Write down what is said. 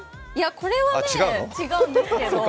これはね、違うんですけど。